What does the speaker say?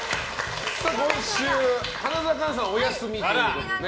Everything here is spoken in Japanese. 今週、花澤香菜さんはお休みということで。